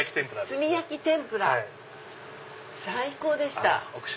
炭焼き天ぷら最高でした。